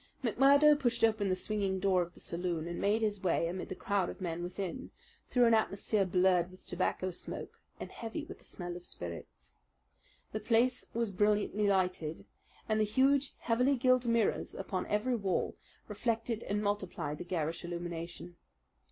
McMurdo pushed open the swinging door of the saloon and made his way amid the crowd of men within, through an atmosphere blurred with tobacco smoke and heavy with the smell of spirits. The place was brilliantly lighted, and the huge, heavily gilt mirrors upon every wall reflected and multiplied the garish illumination.